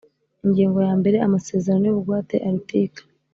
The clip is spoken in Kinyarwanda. Ingingo ya mbere Amasezerano y ubugwate Article